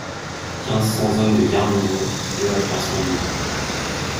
Quinze cents hommes de garnison, et deux à trois cents liv.